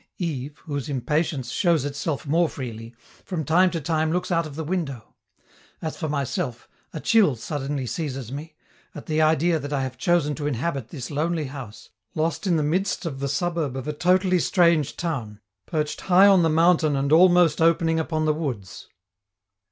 Yves, whose impatience shows itself more freely, from time to time looks out of the window. As for myself, a chill suddenly seizes me, at the idea that I have chosen to inhabit this lonely house, lost in the midst of the suburb of a totally strange town, perched high on the mountain and almost opening upon the woods.